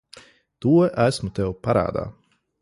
To esmu tev parādā.